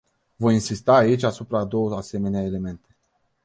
Voi insista aici asupra a două asemenea elemente.